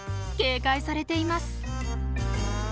警戒されています。